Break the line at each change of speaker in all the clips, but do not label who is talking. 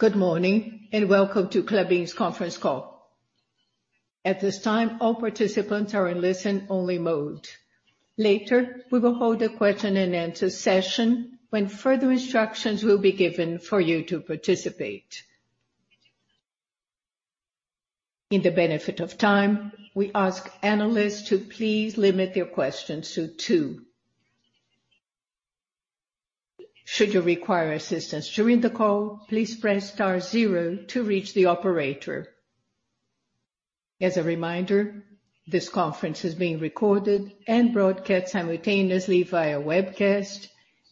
Good morning. Welcome to Klabin's conference call. At this time, all participants are in listen only mode. Later, we will hold a question-and-answer session when further instructions will be given for you to participate. In the benefit of time, we ask analysts to please limit their questions to two. Should you require assistance during the call, please press star zero to reach the operator. As a reminder, this conference is being recorded and broadcast simultaneously via webcast,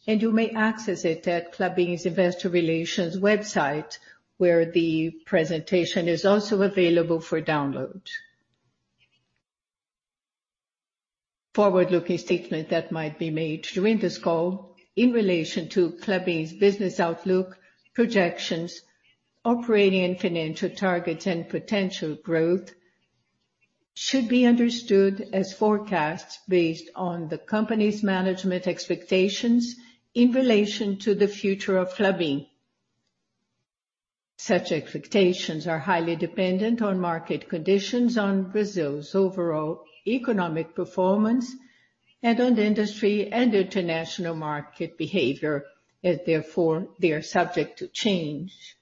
and you may access it at Klabin's investor relations website, where the presentation is also available for download. Forward-looking statement that might be made during this call in relation to Klabin's business outlook, projections, operating and financial targets, and potential growth should be understood as forecasts based on the company's management expectations in relation to the future of Klabin. Such expectations are highly dependent on market conditions, on Brazil's overall economic performance, and on industry and international market behavior, and therefore, they are subject to change.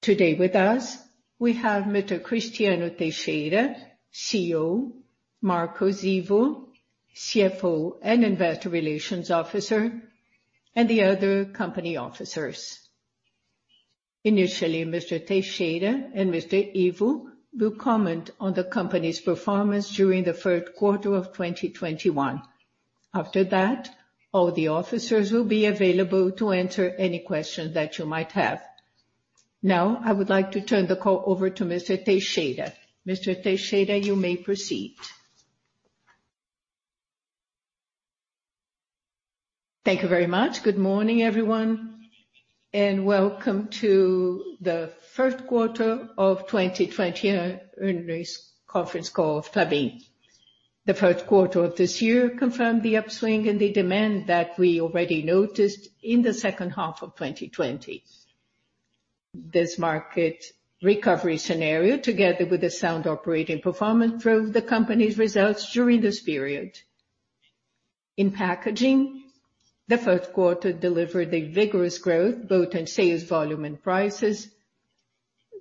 Today with us, we have Mr. Cristiano Teixeira, CEO, Marcos Ivo, CFO, and investor relations officer, and the other company officers. Initially, Mr. Teixeira and Mr. Ivo will comment on the company's performance during the first quarter of 2021. After that, all the officers will be available to answer any questions that you might have. Now, I would like to turn the call over to Mr. Teixeira. Mr. Teixeira, you may proceed.
Thank you very much. Good morning, everyone, and welcome to the first quarter of 2020 earnings conference call of Klabin. The first quarter of this year confirmed the upswing in the demand that we already noticed in the second half of 2020. This market recovery scenario, together with the sound operating performance, drove the company's results during this period. In packaging, the first quarter delivered a vigorous growth, both in sales volume and prices,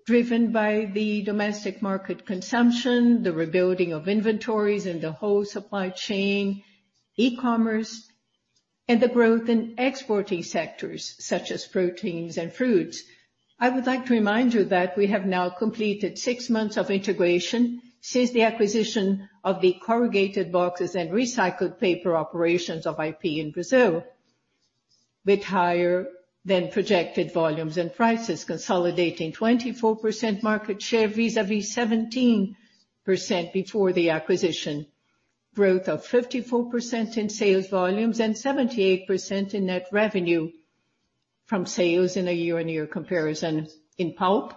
driven by the domestic market consumption, the rebuilding of inventories in the whole supply chain, e-commerce, and the growth in exporting sectors such as proteins and fruits. I would like to remind you that we have now completed six months of integration since the acquisition of the corrugated boxes and recycled paper operations of IP in Brazil. With higher than projected volumes and prices consolidating 24% market share vis-à-vis 17% before the acquisition. Growth of 54% in sales volumes and 78% in net revenue from sales in a year-over-year comparison. In pulp,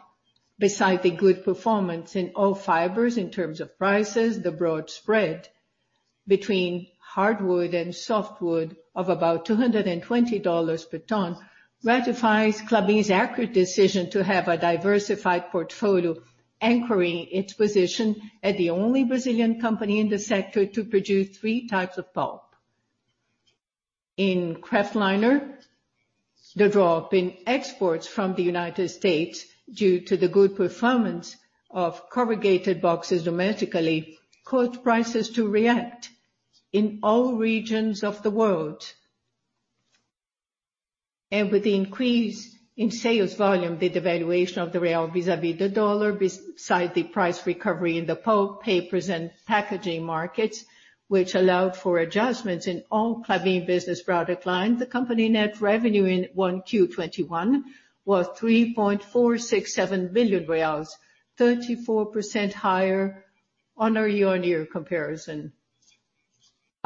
besides the good performance in all fibers in terms of prices, the broad spread between hardwood and softwood of about $220 per ton ratifies Klabin's accurate decision to have a diversified portfolio anchoring its position as the only Brazilian company in the sector to produce three types of pulp. In kraftliner, the drop in exports from the U.S. due to the good performance of corrugated boxes domestically caused prices to react in all regions of the world. With the increase in sales volume, the devaluation of the BRL vis-à-vis the USD besides the price recovery in the pulp, papers, and packaging markets, which allowed for adjustments in all Klabin business product lines. The company net revenue in Q1 2021 was 3.467 billion reais, 34% higher on a year-on-year comparison.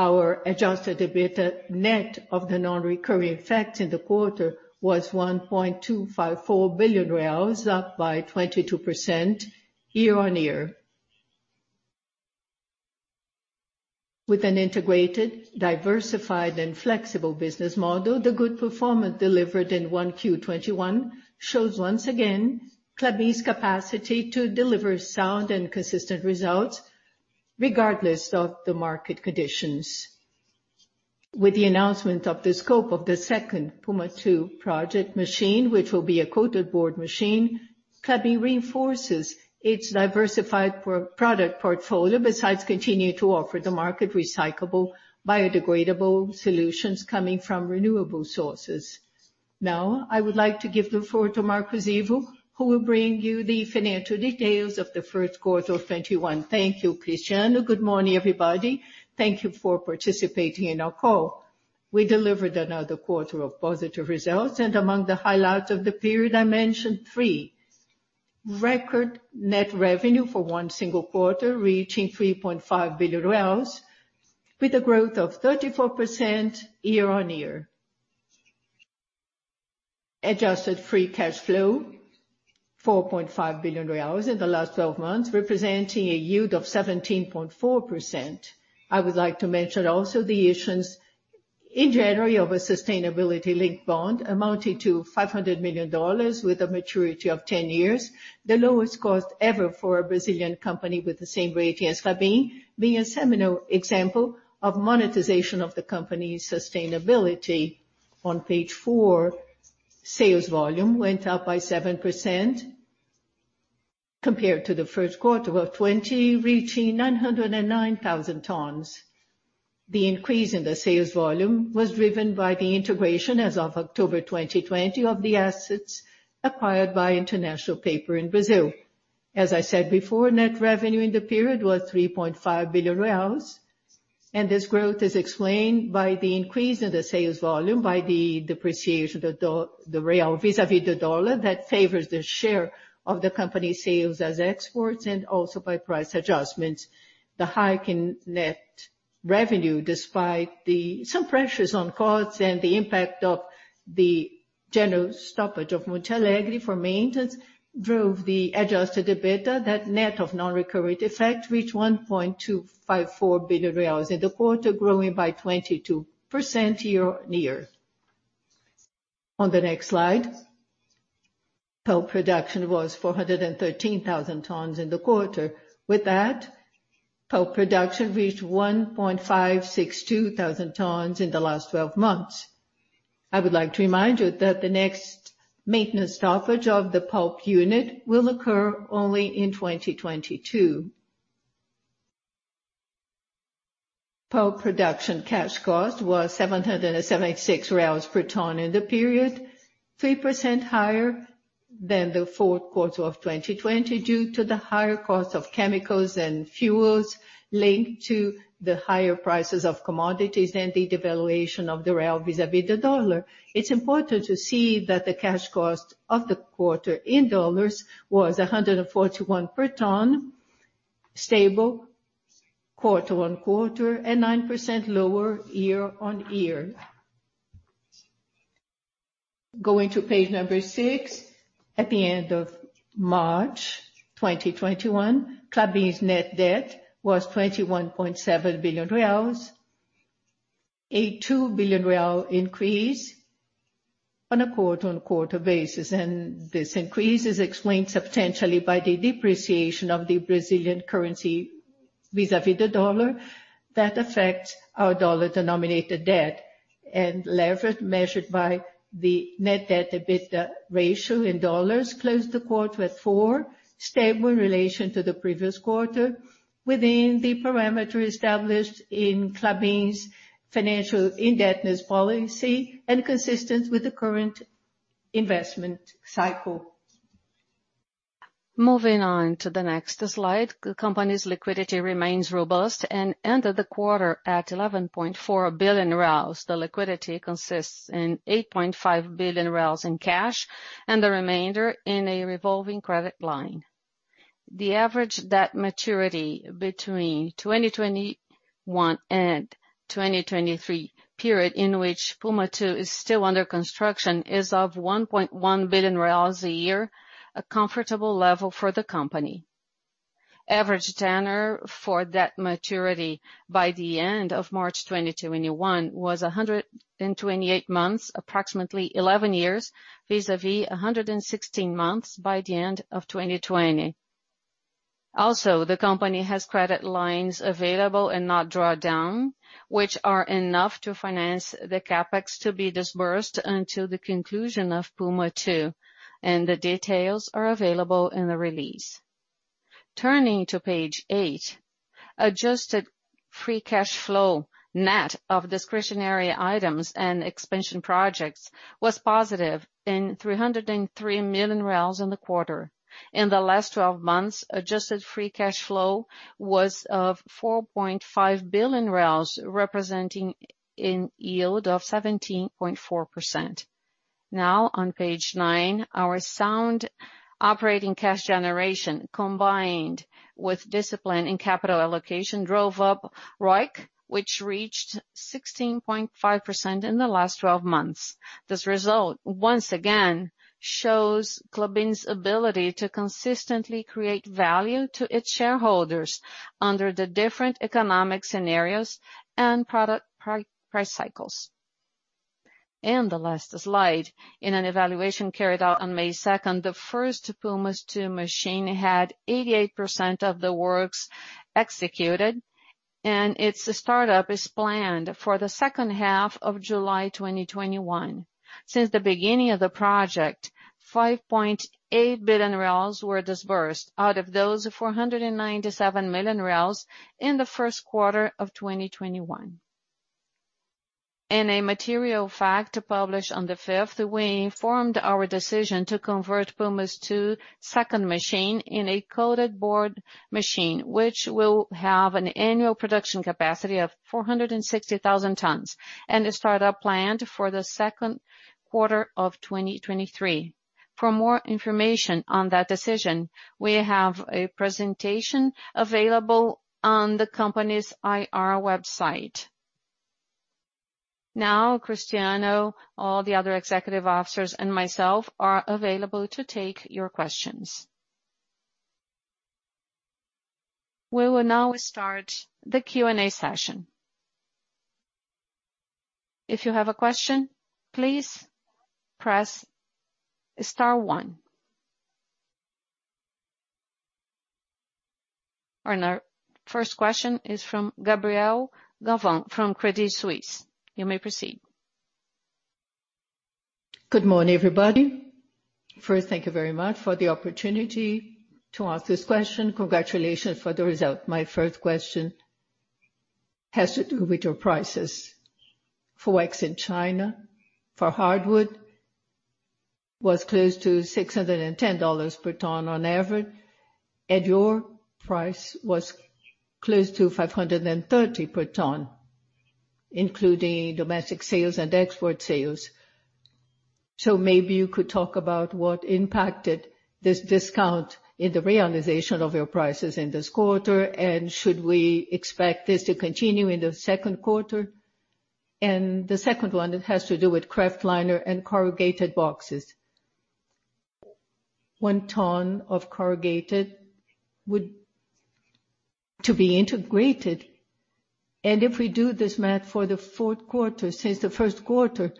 Our adjusted EBITDA net of the non-recurring effects in the quarter was BRL 1.254 billion, up by 22% year-on-year. With an integrated, diversified, and flexible business model, the good performance delivered in 21 shows once again Klabin's capacity to deliver sound and consistent results regardless of the market conditions. With the announcement of the scope of the second Puma II project machine, which will be a coated board machine, Klabin reinforces its diversified product portfolio besides continuing to offer the market recyclable, biodegradable solutions coming from renewable sources. I would like to give the floor to Marcos Ivo, who will bring you the financial details of the first quarter of 2021.
Thank you, Cristiano. Good morning, everybody. Thank you for participating in our call. We delivered another quarter of positive results, among the highlights of the period, I mention three. Record net revenue for one single quarter, reaching BRL 3.5 billion with a growth of 34% year-on-year. Adjusted free cash flow BRL 4.5 billion in the last 12 months, representing a yield of 17.4%. I would like to mention also the issuance in January of a sustainability-linked bond amounting to $500 million with a maturity of 10 years. The lowest cost ever for a Brazilian company with the same rating as Klabin, being a seminal example of monetization of the company's sustainability. On page four, sales volume went up by 7% compared to the first quarter of 2020, reaching 909,000 tons. The increase in the sales volume was driven by the integration as of October 2020 of the assets acquired by International Paper in Brazil. As I said before, net revenue in the period was BRL 3.5 billion, and this growth is explained by the increase in the sales volume by the depreciation of the BRL vis-à-vis the USD that favors the share of the company sales as exports, and also by price adjustments. The hike in net revenue, despite some pressures on costs and the impact of the general stoppage of Monte Alegre for maintenance, drove the adjusted EBITDA, that net of non-recurring effect, reached 1.254 billion reais in the quarter, growing by 22% year-over-year. On the next slide, pulp production was 413,000 tons in the quarter. With that, pulp production reached 1.562 million tons in the last 12 months. I would like to remind you that the next maintenance stoppage of the pulp unit will occur only in 2022. Pulp production cash cost was 776 per ton in the period, 3% higher than the fourth quarter of 2020 due to the higher cost of chemicals and fuels linked to the higher prices of commodities and the devaluation of the BRL vis-à-vis the dollar. It's important to see that the cash cost of the quarter in dollars was $141 per ton, stable quarter-on-quarter, and 9% lower year-on-year. Going to page number six. At the end of March 2021, Klabin's net debt was 21.7 billion reais, a 2 billion real increase on a quarter-on-quarter basis. This increase is explained substantially by the depreciation of the Brazilian currency vis-à-vis the dollar that affects our dollar-denominated debt. Leverage measured by the net debt to EBITDA ratio in dollars closed the quarter at four, stable in relation to the previous quarter, within the parameter established in Klabin's financial indebtedness policy and consistent with the current investment cycle. Moving on to the next slide. The company's liquidity remains robust and ended the quarter at 11.4 billion. The liquidity consists in 8.5 billion in cash and the remainder in a revolving credit line. The average debt maturity between 2021 and 2023 period in which Puma II is still under construction, is of 1.1 billion reais a year, a comfortable level for the company. Average tenor for debt maturity by the end of March 2021 was 128 months, approximately 11 years, vis-à-vis 116 months by the end of 2020. The company has credit lines available and not drawn down, which are enough to finance the CapEx to be disbursed until the conclusion of Puma II, and the details are available in the release. Turning to page eight. Adjusted free cash flow net of discretionary items and expansion projects was positive in 303 million in the quarter. In the last 12 months, adjusted free cash flow was of 4.5 billion reais, representing a yield of 17.4%. On page nine, our sound operating cash generation, combined with discipline and capital allocation, drove up ROIC, which reached 16.5% in the last 12 months. This result, once again, shows Klabin's ability to consistently create value to its shareholders under the different economic scenarios and product price cycles. The last slide. In an evaluation carried out on 2nd May, the first Puma II machine had 88% of the works executed, and its startup is planned for the second half of July 2021. Since the beginning of the project, BRL 5.8 billion were disbursed. Out of those, BRL 497 million in the first quarter of 2021. In a material fact published on the fifth, we informed our decision to convert Puma II's second machine in a coated board machine, which will have an annual production capacity of 460,000 tons and a startup planned for the second quarter of 2023. For more information on that decision, we have a presentation available on the company's IR website. Now, Cristiano, all the other executive officers, and myself are available to take your questions. We will now start the Q&A session.
If you have a question, please press star one. Our first question is from Gabriela Galvin from Credit Suisse. You may proceed.
Good morning, everybody. First, thank you very much for the opportunity to ask this question. Congratulations for the result. My first question has to do with your prices. FOEX in China for hardwood was close to $610 per ton on average, and your price was close to $530 per ton, including domestic sales and export sales. Maybe you could talk about what impacted this discount in the realization of your prices in this quarter, and should we expect this to continue in the second quarter? The second one, it has to do with kraftliner and corrugated boxes. One ton of corrugated would to be integrated, and if we do this math for the fourth quarter since the first quarter,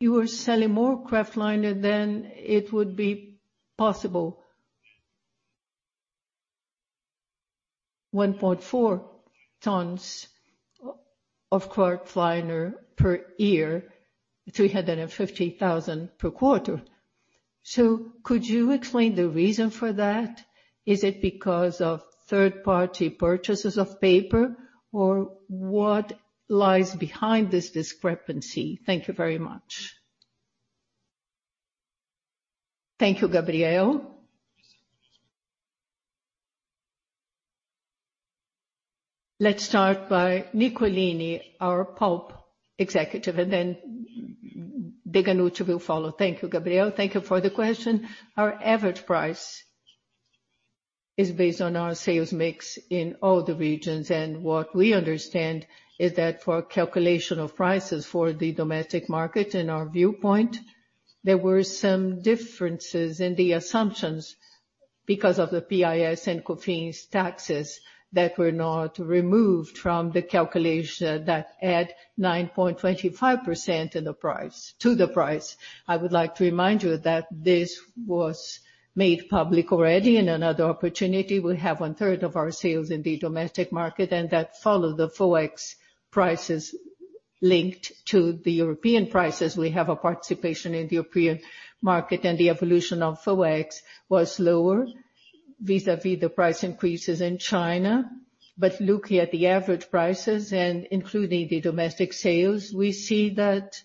you are selling more kraftliner than it would be possible. 1.4 million tons of kraftliner per year, 350,000 per quarter. Could you explain the reason for that? Is it because of third-party purchases of paper, or what lies behind this discrepancy? Thank you very much.
Thank you, Gabriela. Let's start by Nicolini, our pulp executive, and then Deganutti will follow.
Thank you, Gabriela. Thank you for the question. Our average price is based on our sales mix in all the regions. What we understand is that for calculation of prices for the domestic market in our viewpoint, there were some differences in the assumptions because of the PIS and COFINS taxes that were not removed from the calculation that add 9.25% to the price. I would like to remind you that this was made public already in another opportunity. We have one-third of our sales in the domestic market. That follow the FOEX prices linked to the European prices. We have a participation in the European market, and the evolution of FOEX was lower vis-à-vis the price increases in China. Looking at the average prices and including the domestic sales, we see that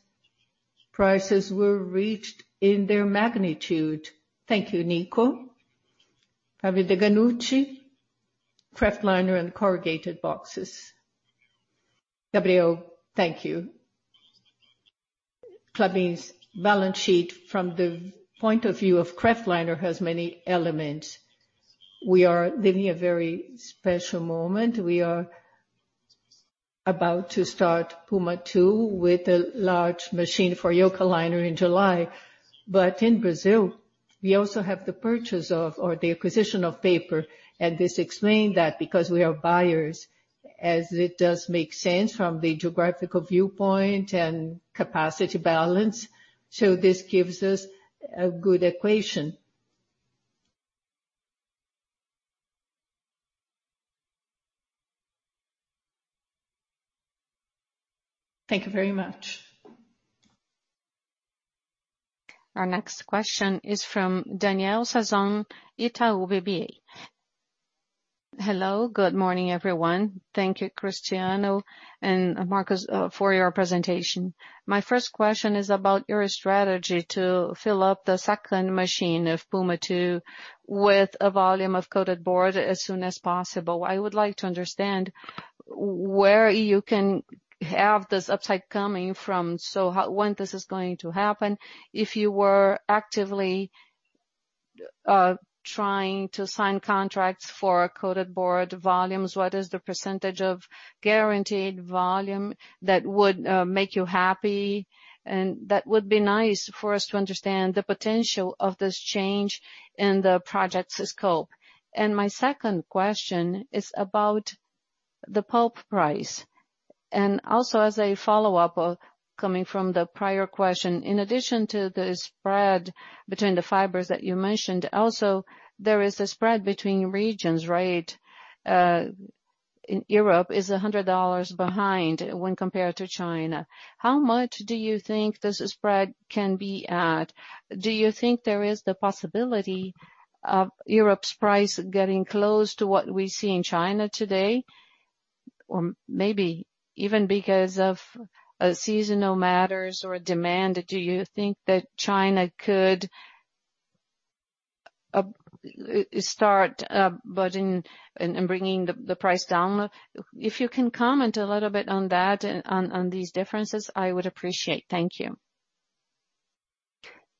prices were reached in their magnitude.
Thank you, Nico. Flávio Deganutti. Kraftliner and corrugated boxes. Gabriela, thank you. Klabin's balance sheet from the point of view of kraftliner has many elements. We are living a very special moment. We are about to start Puma II with a large machine for Eukaliner in July. In Brazil, we also have the purchase of, or the acquisition of paper, and this explained that because we are buyers, as it does make sense from the geographical viewpoint and capacity balance. This gives us a good equation.
Thank you very much.
Our next question is from Daniel Sasson, Itaú BBA.
Hello. Good morning, everyone. Thank you, Cristiano and Marcos, for your presentation. My first question is about your strategy to fill up the second machine of Puma II with a volume of coated board as soon as possible. I would like to understand where you can have this upside coming from. When this is going to happen, if you were actively trying to sign contracts for coated board volumes, what is the percentage of guaranteed volume that would make you happy and that would be nice for us to understand the potential of this change in the project's scope. My second question is about the pulp price. Also as a follow-up coming from the prior question, in addition to the spread between the fibers that you mentioned, also there is a spread between regions, right? Europe is a hundred dollars behind when compared to China. How much do you think this spread can be at? Do you think there is the possibility of Europe's price getting close to what we see in China today? Maybe even because of seasonal matters or demand, do you think that China could start bringing the price down? If you can comment a little bit on that and on these differences, I would appreciate. Thank you.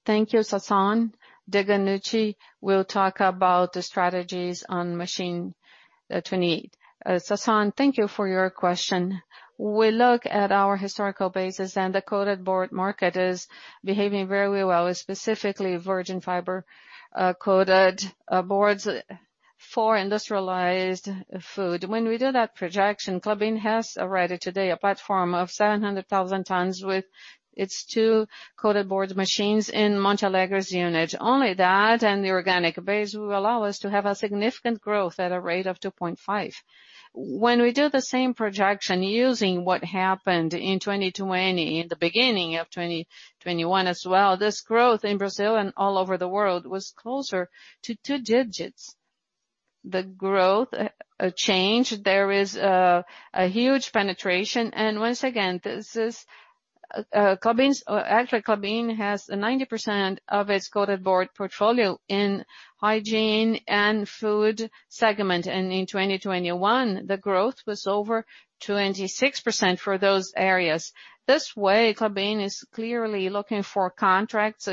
Thank you, Sasson. Deganutti will talk about the strategies on Paper Machine 28.
Sasson, thank you for your question. We look at our historical basis and the coated board market is behaving very well, specifically virgin fiber coated boards for industrialized food. When we do that projection, Klabin has already today a platform of 700,000 tons with its two coated board machines in Monte Alegre's unit. Only that, the organic base will allow us to have a significant growth at a rate of 2.5. When we do the same projection using what happened in 2020, the beginning of 2021 as well, this growth in Brazil and all over the world was closer to two digits. The growth change, there is a huge penetration. Once again, actually Klabin has 90% of its coated board portfolio in hygiene and food segment. In 2021, the growth was over 26% for those areas. This way, Klabin is clearly looking for contracts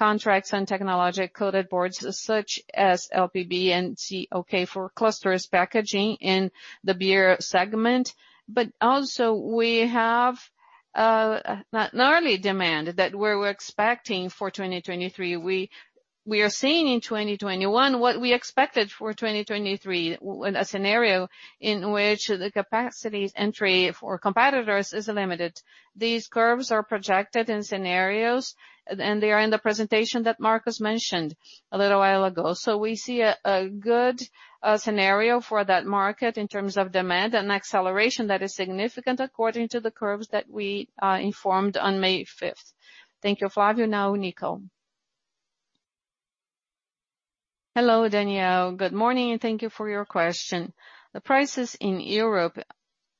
on technological coated boards such as LPB and CUK for clusters packaging in the beer segment. Also we have an early demand that we're expecting for 2023. We are seeing in 2021 what we expected for 2023, a scenario in which the capacity entry for competitors is limited. These curves are projected in scenarios and they are in the presentation that Marcos mentioned a little while ago. We see a good scenario for that market in terms of demand and acceleration that is significant according to the curves that we informed on 5th May.
Thank you, Flavio. Nico.
Hello, Daniel. Good morning and thank you for your question. The prices in Europe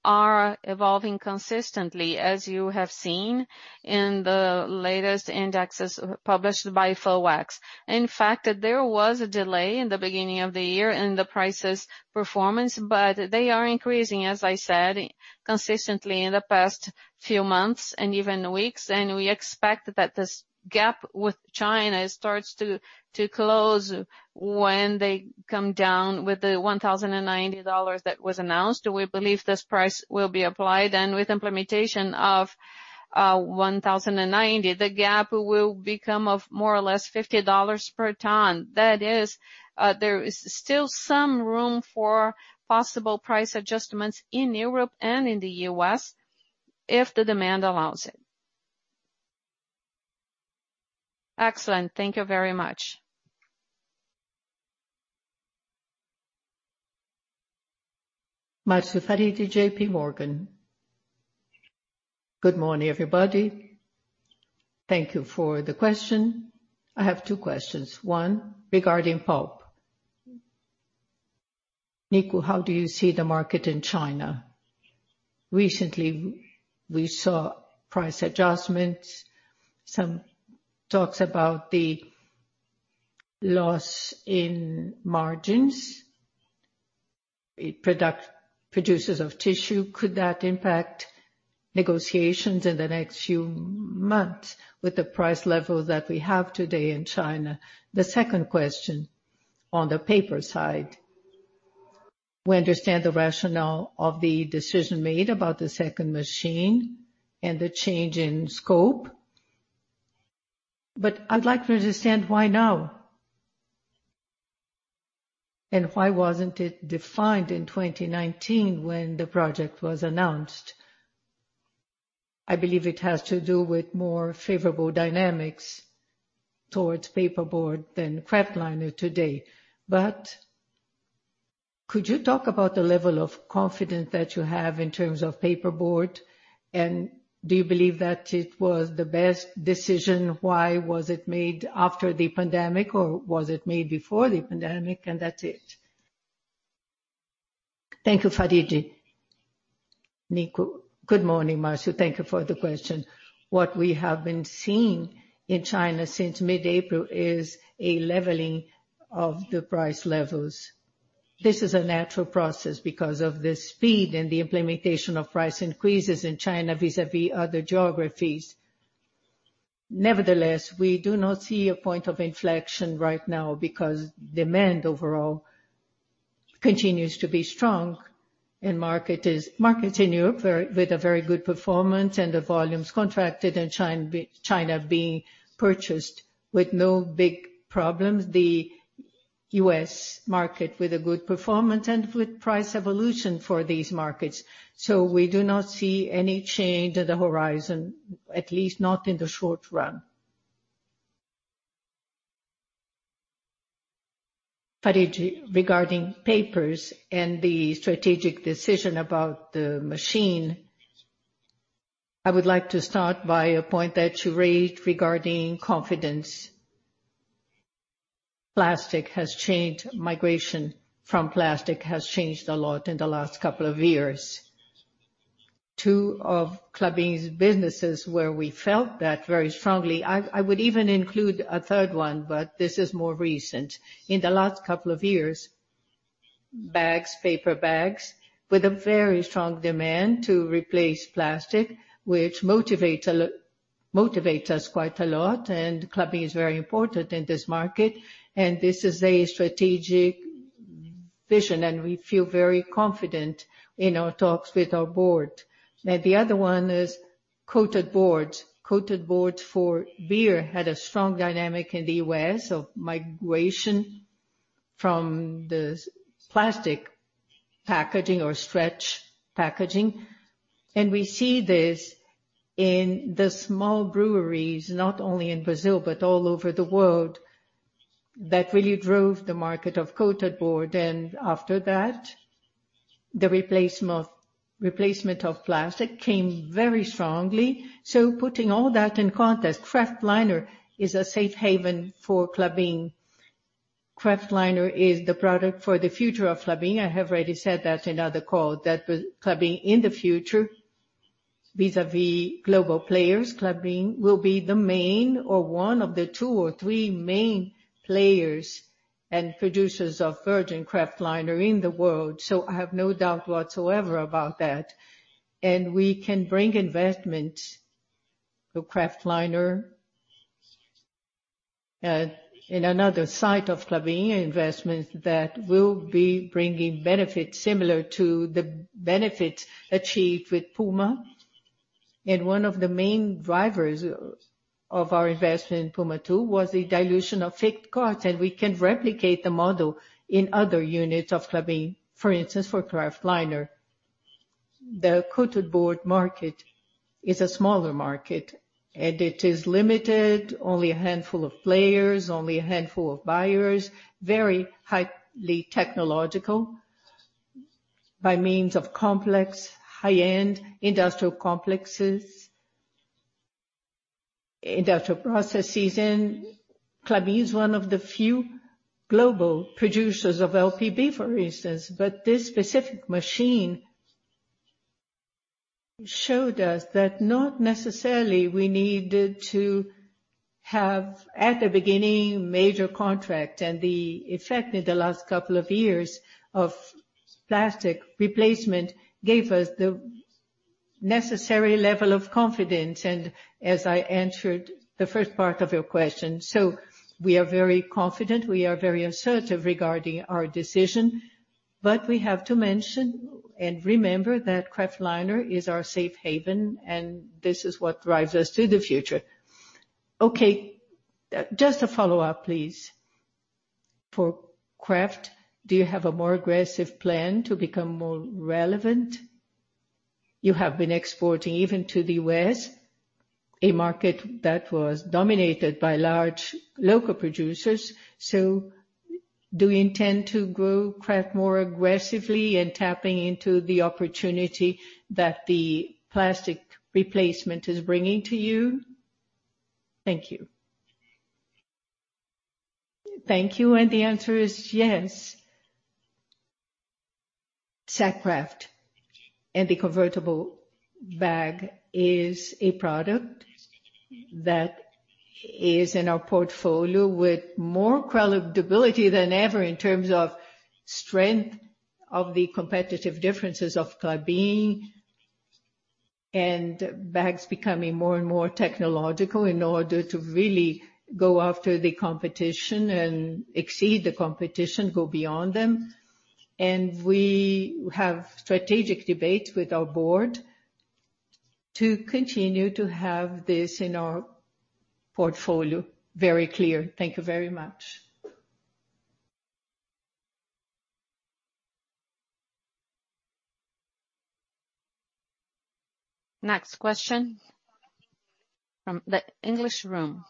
are evolving consistently as you have seen in the latest indexes published by FOEX. In fact, there was a delay in the beginning of the year in the prices performance, they are increasing, as I said, consistently in the past few months and even weeks. We expect that this gap with China starts to close when they come down with the $1,090 that was announced. We believe this price will be applied. With implementation of 1,090, the gap will become of more or less $50 per ton. That is, there is still some room for possible price adjustments in Europe and in the U.S. if the demand allows it.
Excellent. Thank you very much.
Marcio Farid, JPMorgan.
Good morning, everybody. Thank you for the question. I have two questions. One, regarding pulp. Nico, how do you see the market in China? Recently, we saw price adjustments, some talks about the loss in margins in producers of tissue. Could that impact negotiations in the next few months with the price level that we have today in China? The second question, on the paper side. We understand the rationale of the decision made about the second machine and the change in scope. I'd like to understand why now. Why wasn't it defined in 2019 when the project was announced? I believe it has to do with more favorable dynamics towards paperboard than kraftliner today. Could you talk about the level of confidence that you have in terms of paperboard? Do you believe that it was the best decision? Why was it made after the pandemic, or was it made before the pandemic? That's it.
Thank you, Farid. Nico.
Good morning, Marcio. Thank you for the question. What we have been seeing in China since mid-April is a leveling of the price levels. This is a natural process because of the speed and the implementation of price increases in China vis-à-vis other geographies. Nevertheless, we do not see a point of inflection right now because demand overall continues to be strong and markets in Europe with a very good performance and the volumes contracted and China being purchased with no big problems. The U.S. market with a good performance and with price evolution for these markets. We do not see any change at the horizon, at least not in the short run.
Farid, regarding papers and the strategic decision about the machine, I would like to start by a point that you raised regarding confidence. Migration from plastic has changed a lot in the last couple of years. Two of Klabin's businesses where we felt that very strongly, I would even include a third one, but this is more recent. In the last couple of years. Bags, paper bags, with a very strong demand to replace plastic, which motivates us quite a lot, and Klabin is very important in this market. This is a strategic vision, and we feel very confident in our talks with our board. The other one is coated boards. coated boards for beer had a strong dynamic in the U.S. of migration from the plastic packaging or stretch packaging. We see this in the small breweries, not only in Brazil, but all over the world. That really drove the market of coated board. After that, the replacement of plastic came very strongly. Putting all that in context, kraftliner is a safe haven for Klabin. Kraftliner is the product for the future of Klabin. I have already said that in other call, that Klabin in the future, vis-a-vis global players, Klabin will be the main or one of the two or three main players and producers of virgin kraftliner in the world. I have no doubt whatsoever about that. We can bring investment to kraftliner, in another site of Klabin investments that will be bringing benefits similar to the benefits achieved with Puma. One of the main drivers of our investment in Puma II was the dilution of fixed costs, and we can replicate the model in other units of Klabin, for instance, for kraftliner. The coated board market is a smaller market, and it is limited, only a handful of players, only a handful of buyers. Very highly technological by means of complex high-end industrial complexes, industrial processes. Klabin is one of the few global producers of LPB, for instance, but this specific machine showed us that not necessarily we needed to have, at the beginning, major contract. The effect in the last couple of years of plastic replacement gave us the necessary level of confidence. As I answered the first part of your question. We are very confident, we are very assertive regarding our decision. We have to mention and remember that kraftliner is our safe haven, and this is what drives us to the future.
Just to follow up, please. For kraft, do you have a more aggressive plan to become more relevant? You have been exporting even to the U.S., a market that was dominated by large local producers. Do you intend to grow kraft more aggressively and tapping into the opportunity that the plastic replacement is bringing to you? Thank you.
Thank you. The answer is yes. Sack kraft and the convertible bag is a product that is in our portfolio with more credibility than ever, in terms of strength of the competitive differences of Klabin. Bags becoming more and more technological in order to really go after the competition and exceed the competition, go beyond them. We have strategic debates with our board to continue to have this in our portfolio very clear. Thank you very much.
Next question from the English room.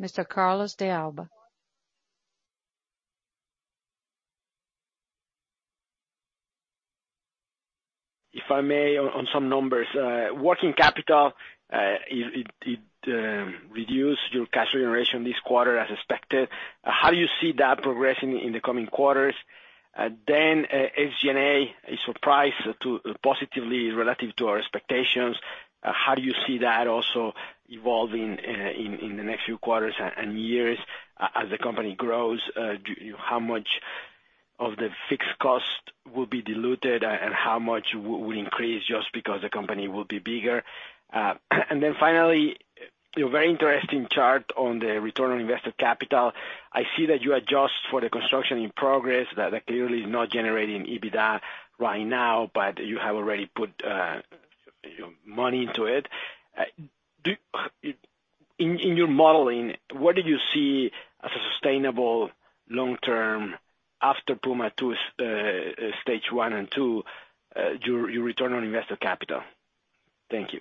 Mr. Carlos De Alba.
If I may, on some numbers. Working capital, it reduced your cash generation this quarter as expected. How do you see that progressing in the coming quarters? SG&A is surprised positively relative to our expectations. How do you see that also evolving in the next few quarters and years as the company grows? How much of the fixed cost will be diluted and how much will increase just because the company will be bigger? Finally, your very interesting chart on the return on invested capital. I see that you adjust for the construction in progress that clearly is not generating EBITDA right now, but you have already put money into it. In your modeling, what did you see as a sustainable long-term after Puma II stage 1 and 2, your return on invested capital? Thank you.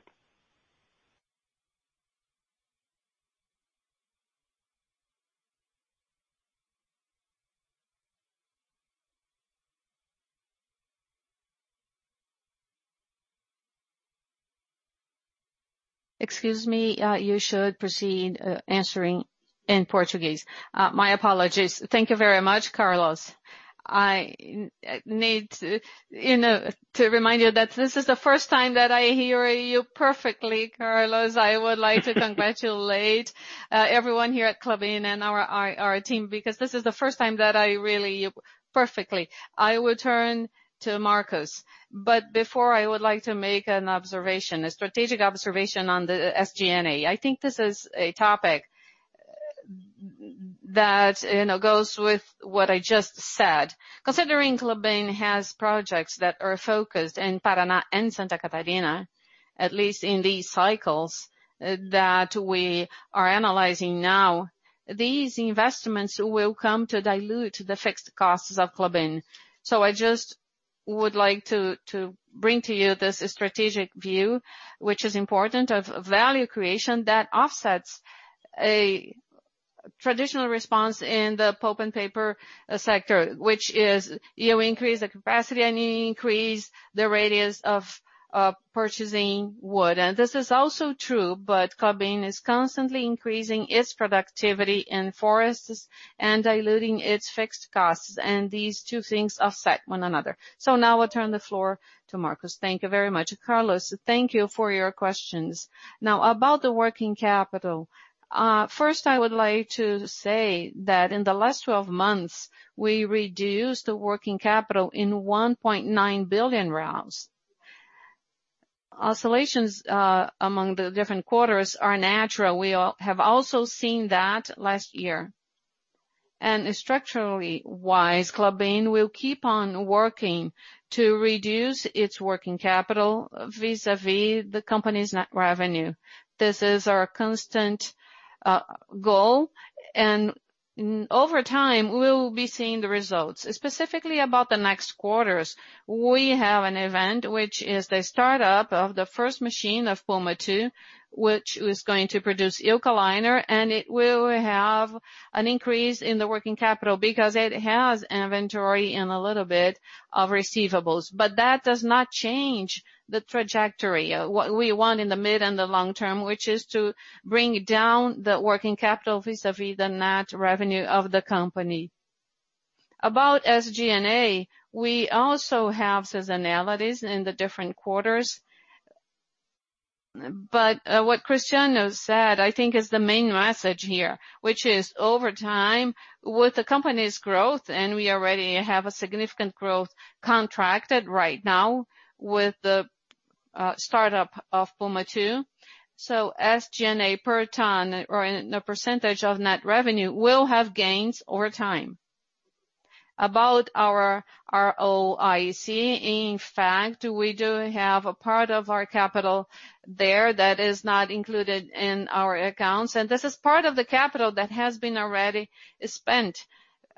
Excuse me, you should proceed answering in Portuguese. My apologies. Thank you very much, Carlos. I need to remind you that this is the first time that I hear you perfectly, Carlos. I would like to congratulate everyone here at Klabin and our team, because this is the first time that I hear you perfectly. I will turn to Marcos, but before, I would like to make an observation, a strategic observation on the SG&A. I think this is a topic that goes with what I just said. Considering Klabin has projects that are focused in Paraná and Santa Catarina. At least in these cycles that we are analyzing now, these investments will come to dilute the fixed costs of Klabin. I just would like to bring to you this strategic view, which is important, of value creation that offsets a traditional response in the pulp and paper sector, which is you increase the capacity and you increase the radius of purchasing wood. This is also true, but Klabin is constantly increasing its productivity in forests and diluting its fixed costs, and these two things offset one another. Now I'll turn the floor to Marcos.
Thank you very much, Carlos. Thank you for your questions. Now, about the working capital. First, I would like to say that in the last 12 months, we reduced the working capital in 1.9 billion. Oscillations among the different quarters are natural. We have also seen that last year. Structurally wise, Klabin will keep on working to reduce its working capital vis-a-vis the company's net revenue. This is our constant goal, and over time, we will be seeing the results. Specifically about the next quarters, we have an event, which is the startup of the first machine of Puma II, which is going to produce Eukaliner. It will have an increase in the working capital because it has inventory and a little bit of receivables. That does not change the trajectory. What we want in the mid and the long term, which is to bring down the working capital vis-a-vis the net revenue of the company. About SG&A, we also have seasonality in the different quarters. What Cristiano said, I think, is the main message here, which is over time with the company's growth, and we already have a significant growth contracted right now with the startup of Puma II. SG&A per ton or in a percentage of net revenue will have gains over time. About our ROIC, in fact, we do have a part of our capital there that is not included in our accounts, and this is part of the capital that has been already spent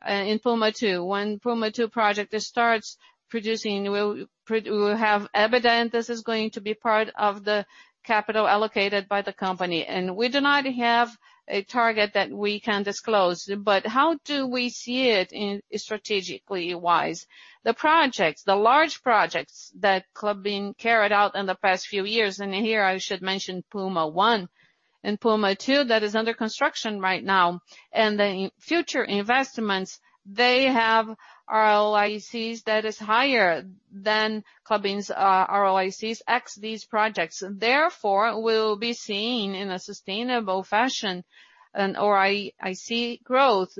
in Puma II. When Puma II project starts producing, we will have evidence this is going to be part of the capital allocated by the company. We do not have a target that we can disclose. How do we see it strategically wise? The projects, the large projects that Klabin carried out in the past few years, and here I should mention Puma I and Puma II, that is under construction right now, and the future investments, they have ROICs that is higher than Klabin's ROICs ex these projects. Therefore, will be seen in a sustainable fashion an ROIC growth.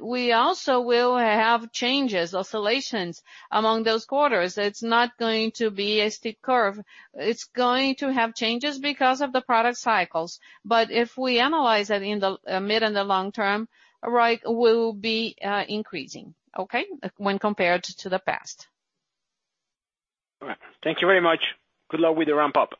We also will have changes, oscillations among those quarters. It's not going to be a steep curve. It's going to have changes because of the product cycles. If we analyze that in the mid and the long term, ROIC will be increasing, okay. When compared to the past.
All right. Thank you very much. Good luck with the ramp up.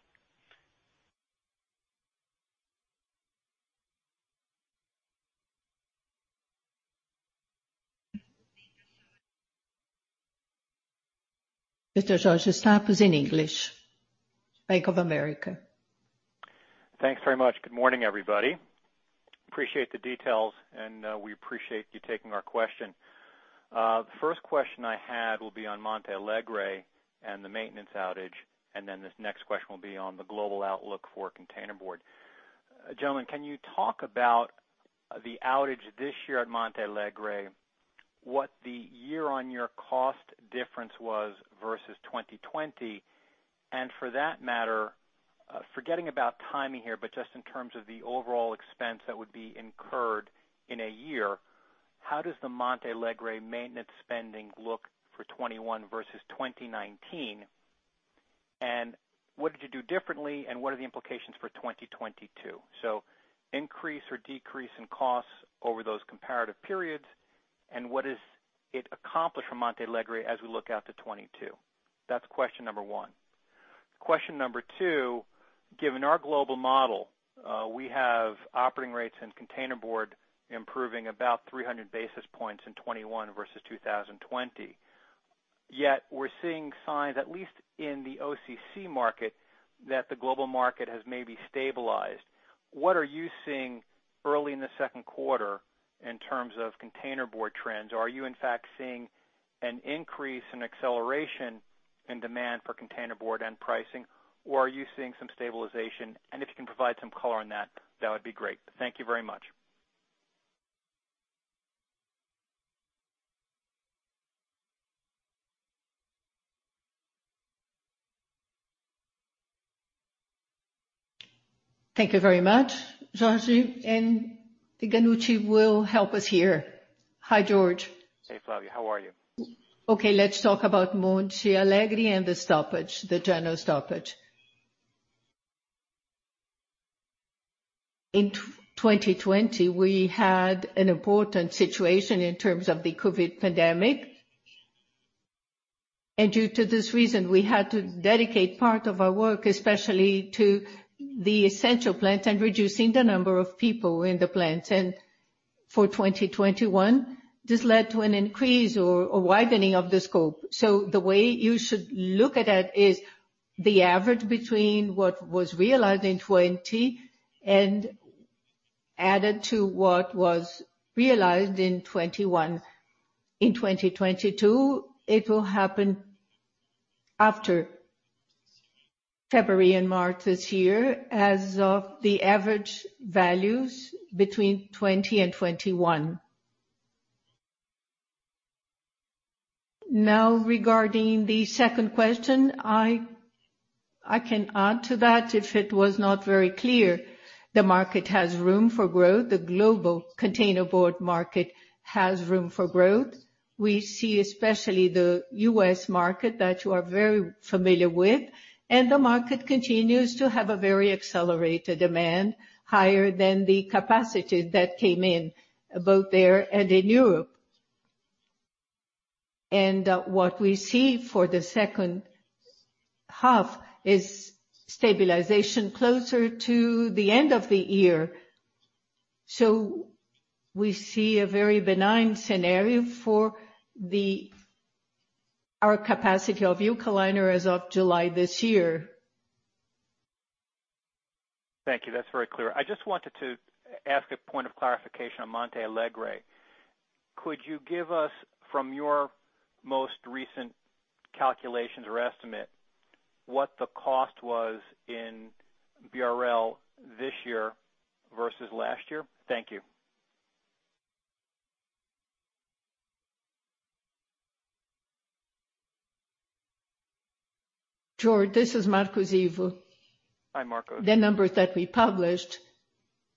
Mr. George Staphos in English. Bank of America.
Thanks very much. Good morning, everybody. Appreciate the details, and we appreciate you taking our question. First question I had will be on Monte Alegre and the maintenance outage, and then this next question will be on the global outlook for containerboard. Gentlemen, can you talk about the outage this year at Monte Alegre, what the year-over-year cost difference was versus 2020? For that matter, forgetting about timing here, but just in terms of the overall expense that would be incurred in a year, how does the Monte Alegre maintenance spending look for 2021 versus 2019? What did you do differently, and what are the implications for 2022? Increase or decrease in costs over those comparative periods, and what does it accomplish for Monte Alegre as we look out to 2022? That's question number one. Question number two, given our global model, we have operating rates and containerboard improving about 300 basis points in 2021 versus 2020. We're seeing signs, at least in the OCC market, that the global market has maybe stabilized. What are you seeing early in the second quarter in terms of containerboard trends? Are you in fact seeing an increase in acceleration in demand for containerboard and pricing, or are you seeing some stabilization? If you can provide some color on that would be great. Thank you very much.
Thank you very much, George. I think Deganutti will help us here.
Hi, George.
Hey, Flavio. How are you?
Let's talk about Monte Alegre and the general stoppage. In 2020, we had an important situation in terms of the COVID pandemic, due to this reason, we had to dedicate part of our work especially to the essential plants and reducing the number of people in the plants. For 2021, this led to an increase or widening of the scope. The way you should look at it is the average between what was realized in 2020 and added to what was realized in 2021. In 2022, it will happen after February and March this year as of the average values between 2020 and 2021. Regarding the second question, I can add to that if it was not very clear. The market has room for growth. The global containerboard market has room for growth. We see especially the U.S. market that you are very familiar with, the market continues to have a very accelerated demand, higher than the capacity that came in, both there and in Europe. What we see for the second half is stabilization closer to the end of the year. We see a very benign scenario for our capacity of Eukaliner as of July this year.
Thank you. That's very clear. I just wanted to ask a point of clarification on Monte Alegre. Could you give us, from your most recent calculations or estimate, what the cost was in BRL this year versus last year? Thank you.
George, this is Marcos Ivo.
Hi, Marcos.
The numbers that we published,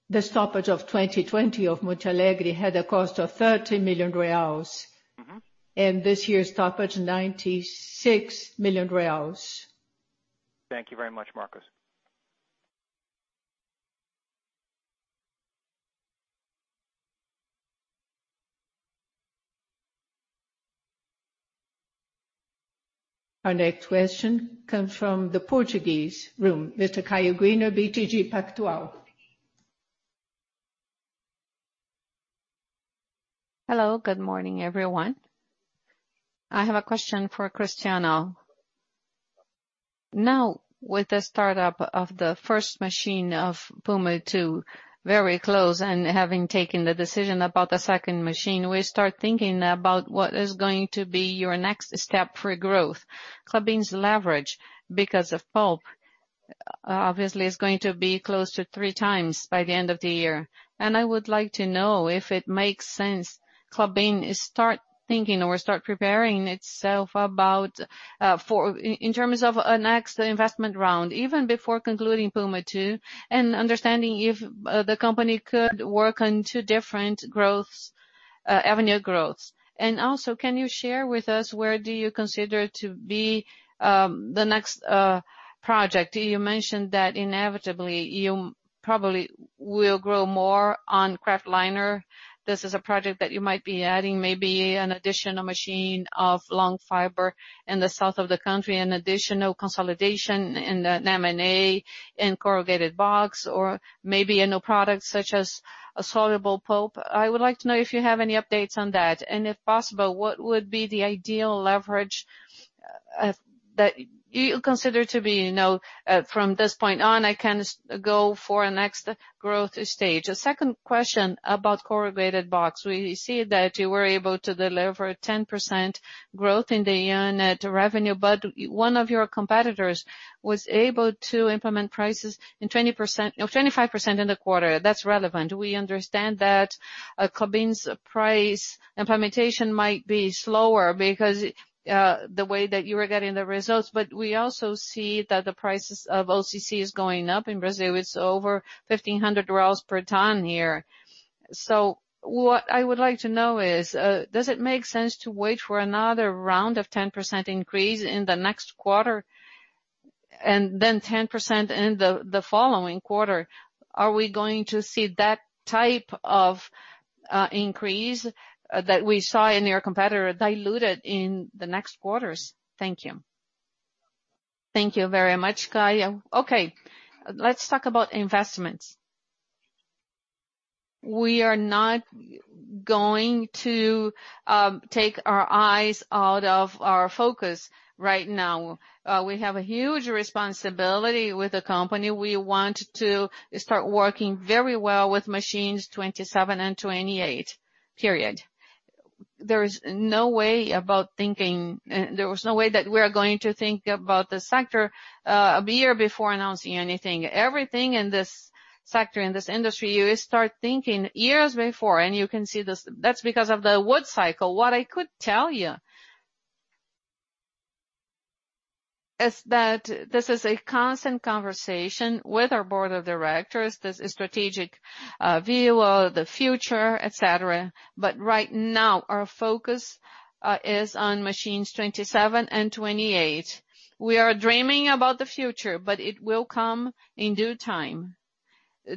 the stoppage of 2020 of Monte Alegre had a cost of 30 million reais. This year's stoppage, 96 million reais.
Thank you very much, Marcos.
Our next question comes from the Portuguese room. Mr. Caio Ribeiro, BTG Pactual.
Hello. Good morning, everyone. I have a question for Cristiano. Now, with the startup of the first machine of Puma II very close and having taken the decision about the second machine, we start thinking about what is going to be your next step for growth. Klabin's leverage because of pulp obviously is going to be close to three times by the end of the year. I would like to know if it makes sense Klabin start thinking or start preparing itself in terms of a next investment round, even before concluding Puma II, and understanding if the company could work on two different avenue growths. Also, can you share with us where do you consider to be the next project? You mentioned that inevitably you probably will grow more on kraftliner. This is a project that you might be adding maybe an additional machine of long fiber in the south of the country, an additional consolidation in the M&A in corrugated box or maybe a new product such as a dissolving pulp. I would like to know if you have any updates on that. If possible, what would be the ideal leverage that you consider to be, from this point on, I can go for a next growth stage. A second question about corrugated box. We see that you were able to deliver 10% growth in the year net revenue, but one of your competitors was able to implement prices in 25% in the quarter. That's relevant. We understand that Klabin's price implementation might be slower because the way that you were getting the results, but we also see that the prices of OCC is going up in Brazil. It's over 1,500 per ton here. What I would like to know is, does it make sense to wait for another round of 10% increase in the next quarter and then 10% in the following quarter? Are we going to see that type of increase that we saw in your competitor diluted in the next quarters? Thank you.
Thank you very much, Caio. Okay. Let's talk about investments. We are not going to take our eyes out of our focus right now. We have a huge responsibility with the company. We want to start working very well with machines 27 and 28, period. There is no way that we are going to think about the sector a year before announcing anything. Everything in this sector, in this industry, you start thinking years before. You can see this, that's because of the wood cycle. What I could tell you is that this is a constant conversation with our board of directors. This strategic view of the future, et cetera. Right now, our focus is on machines 27 and 28. We are dreaming about the future, but it will come in due time.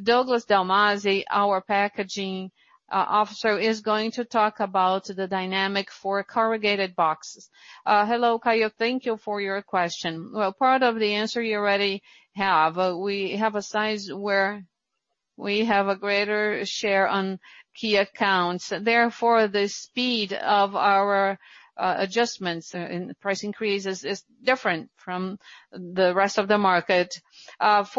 Douglas Dalmasi, our Packaging Officer, is going to talk about the dynamic for corrugated boxes.
Hello, Caio. Thank you for your question. Well, part of the answer you already have. We have a size where we have a greater share on key accounts. Therefore, the speed of our adjustments in price increases is different from the rest of the market. That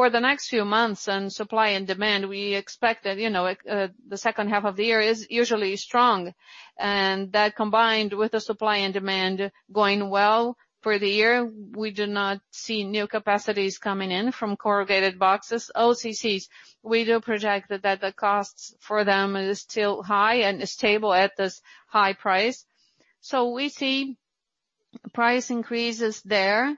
combined with the supply and demand going well for the year, we do not see new capacities coming in from corrugated boxes. OCCs, we do project that the costs for them is still high and stable at this high price. We see price increases there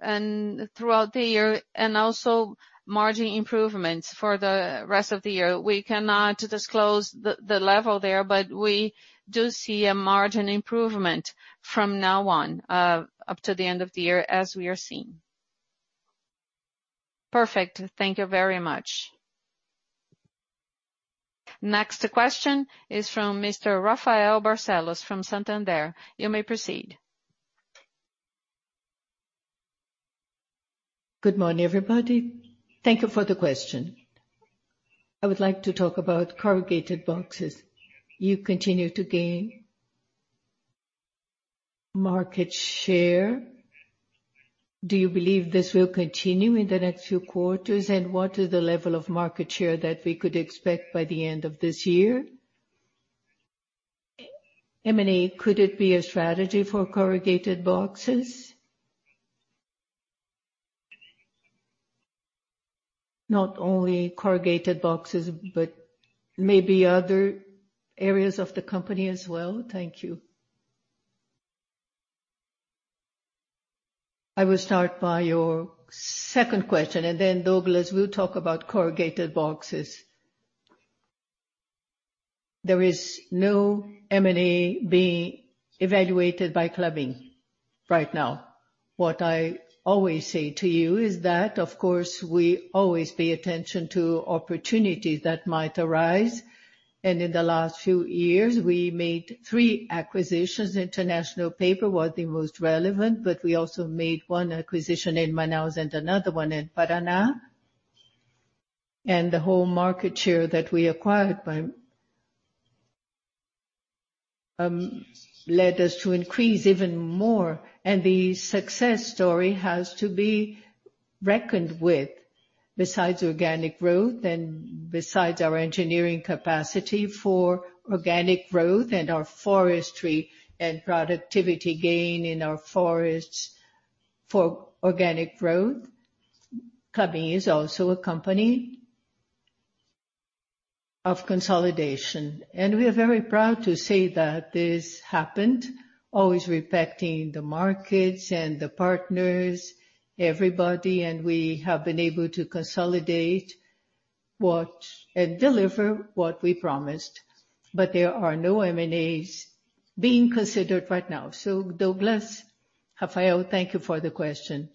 and throughout the year, and also margin improvements for the rest of the year. We cannot disclose the level there, we do see a margin improvement from now on up to the end of the year as we are seeing. Perfect.
Thank you very much. Next question is from Mr. Rafael Barcellos from Santander. You may proceed.
Good morning, everybody. Thank you for the question. I would like to talk about corrugated boxes. You continue to gain market share. Do you believe this will continue in the next few quarters? What is the level of market share that we could expect by the end of this year? M&A, could it be a strategy for corrugated boxes? Not only corrugated boxes, but maybe other areas of the company as well. Thank you.
I will start by your second question, and then Douglas Dalmasi will talk about corrugated boxes. There is no M&A being evaluated by Klabin right now. What I always say to you is that, of course, we always pay attention to opportunities that might arise. In the last few years, we made three acquisitions. International Paper was the most relevant, but we also made one acquisition in Manaus and another one in Paraná. The whole market share that we acquired led us to increase even more. The success story has to be reckoned with besides organic growth and besides our engineering capacity for organic growth and our forestry and productivity gain in our forests for organic growth. Klabin is also a company of consolidation, and we are very proud to say that this happened, always respecting the markets and the partners, everybody, and we have been able to consolidate and deliver what we promised. There are no M&As being considered right now. Douglas.
Rafael, thank you for the question.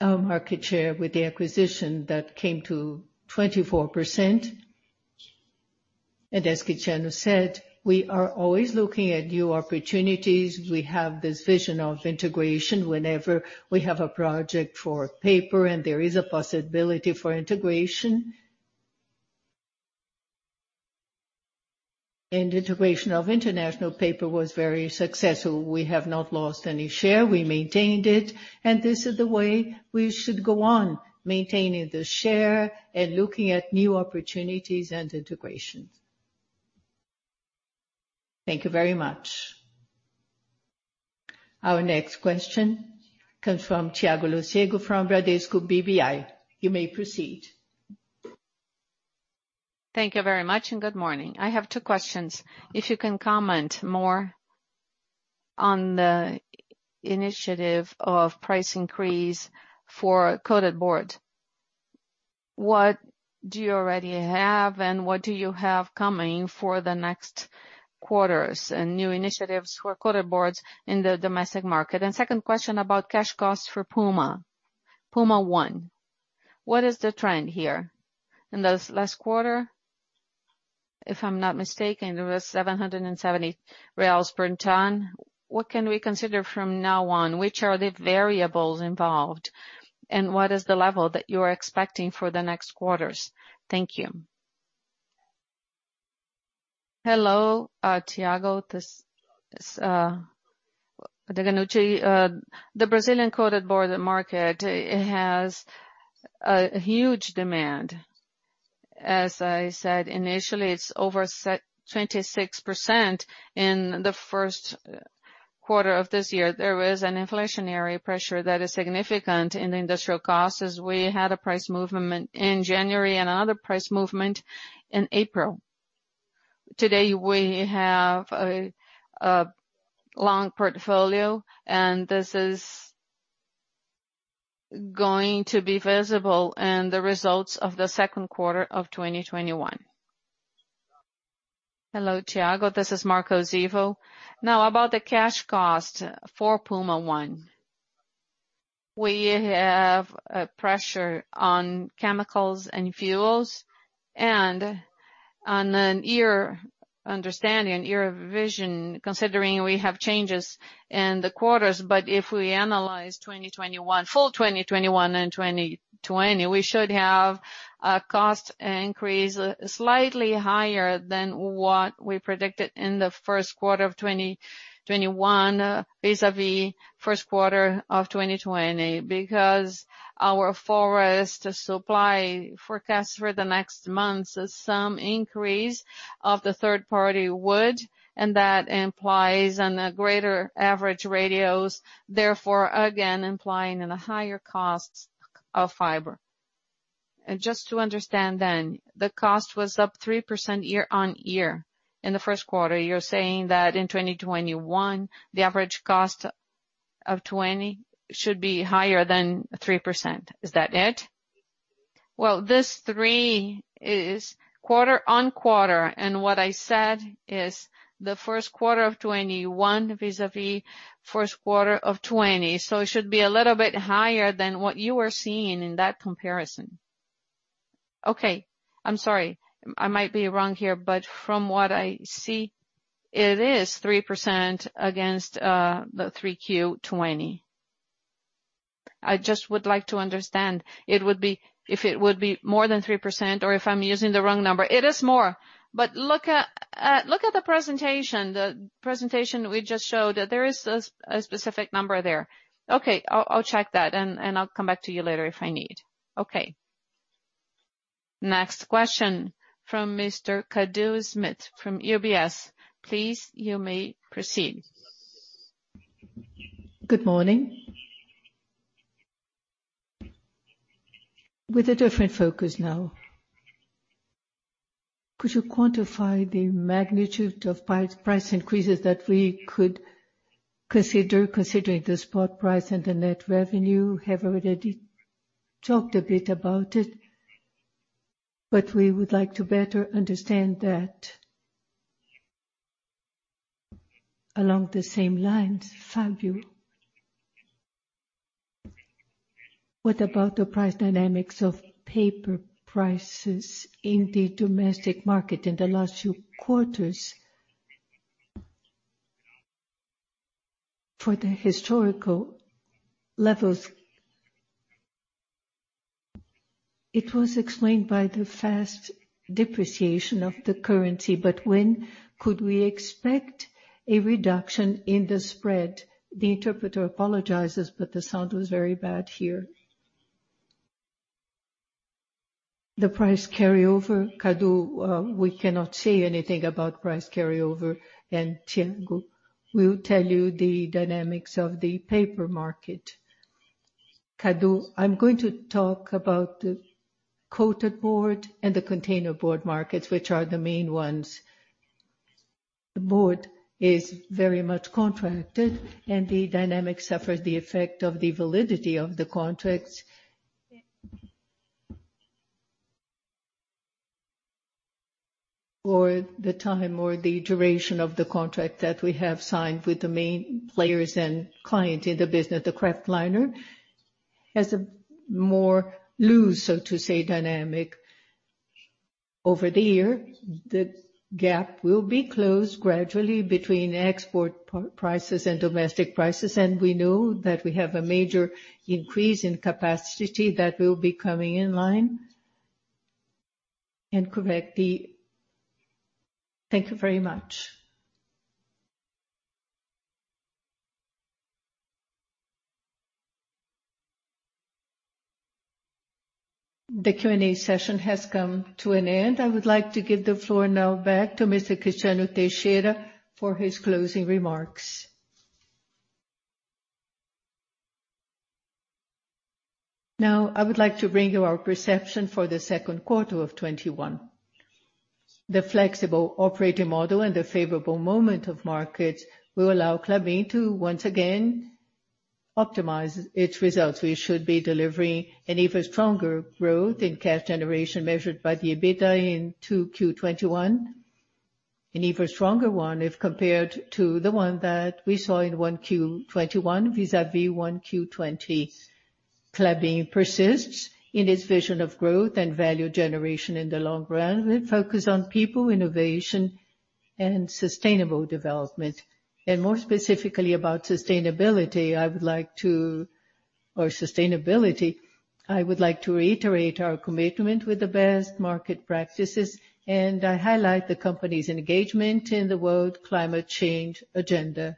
Our market share with the acquisition that came to 24%. As Cristiano said, we are always looking at new opportunities. We have this vision of integration whenever we have a project for paper and there is a possibility for integration. Integration of International Paper was very successful. We have not lost any share. We maintained it, and this is the way we should go on, maintaining the share and looking at new opportunities and integrations.
Thank you very much.
Our next question comes from Thiago Lofiego from Bradesco BBI. You may proceed.
Thank you very much. Good morning. I have two questions. If you can comment more on the initiative of price increase for coated board. What do you already have, and what do you have coming for the next quarters and new initiatives for coated board in the domestic market? Second question about cash costs for Puma. Puma I. What is the trend here in the last quarter? If I'm not mistaken, it was 770 reais per ton. What can we consider from now on? Which are the variables involved, and what is the level that you are expecting for the next quarters? Thank you.
Hello, Thiago. This is Flávio Deganutti. The Brazilian coated board market has a huge demand. As I said initially, it's over 26% in the first quarter of this year. There is an inflationary pressure that is significant in industrial costs as we had a price movement in January and another price movement in April. Today, we have a long portfolio, and this is going to be visible in the results of the second quarter of 2021.
Hello, Thiago. This is Marcos Ivo. About the cash cost for Puma I. We have a pressure on chemicals and fuels and on an year understanding, on year vision, considering we have changes in the quarters. If we analyze full 2021 and 2020, we should have a cost increase slightly higher than what we predicted in the first quarter of 2021 vis-à-vis first quarter of 2020. Our forest supply forecast for the next months is some increase of the third-party wood, and that implies on a greater average radius, therefore, again implying in a higher cost of fiber.
Just to understand then, the cost was up 3% year-on-year in the first quarter. You're saying that in 2021, the average cost of 2020 should be higher than 3%. Is that it?
Well, this three is quarter-over-quarter, and what I said is the first quarter of 2021 vis-à-vis first quarter of 2020. It should be a little bit higher than what you are seeing in that comparison.
Okay. I'm sorry. I might be wrong here, but from what I see, it is 3% against the Q3 2020. I just would like to understand if it would be more than 3% or if I'm using the wrong number. It is more. Look at the presentation.
The presentation we just showed that there is a specific number there.
Okay. I'll check that and I'll come back to you later if I need. Okay.
Next question from Mr. Cadu Schmidt from UBS. Please, you may proceed.
Good morning. With a different focus now, could you quantify the magnitude of price increases that we could consider considering the spot price and the net revenue? We have already talked a bit about it, but we would like to better understand that. Along the same lines, Flávio, what about the price dynamics of paper prices in the domestic market in the last few quarters for the historical levels? It was explained by the fast depreciation of the currency. When could we expect a reduction in the spread?
The price carryover, Cadu, we cannot say anything about price carryover. Flávio will tell you the dynamics of the paper market.
Cadu, I'm going to talk about the coated board and the containerboard markets, which are the main ones. The board is very much contracted, the dynamic suffered the effect of the validity of the contracts. For the time or the duration of the contract that we have signed with the main players and clients in the business. The kraftliner has a more loose, so to say, dynamic. Over the year, the gap will be closed gradually between export prices and domestic prices, we know that we have a major increase in capacity that will be coming in line.
Thank you very much.
The Q&A session has come to an end. I would like to give the floor now back to Mr. Cristiano Teixeira for his closing remarks.
I would like to bring you our perception for Q2 2021. The flexible operating model and the favorable moment of markets will allow Klabin to once again optimize its results. We should be delivering an even stronger growth in cash generation measured by the EBITDA in Q2 2021, an even stronger one if compared to the one that we saw in Q1 2021 vis-à-vis Q1 2020. Klabin persists in its vision of growth and value generation in the long run with focus on people, innovation and sustainable development. More specifically about sustainability, I would like to reiterate our commitment with the best market practices, and I highlight the company's engagement in the world climate change agenda.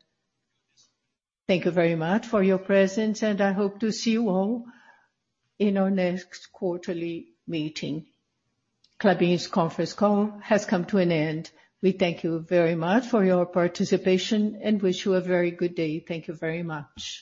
Thank you very much for your presence, and I hope to see you all in our next quarterly meeting.
Klabin's conference call has come to an end. We thank you very much for your participation and wish you a very good day. Thank you very much.